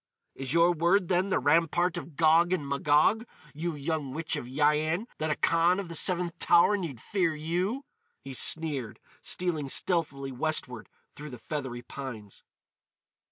"Is your word then the Rampart of Gog and Magog, you young witch of Yian, that a Khan of the Seventh Tower need fear you!" he sneered, stealing stealthily westward through the feathery pines.